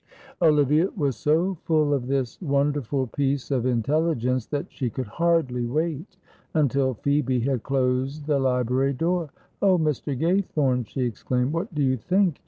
Olivia was so full of this wonderful piece of intelligence that she could hardly wait until Phoebe had closed the library door. "Oh, Mr. Gaythorne," she exclaimed, "what do you think!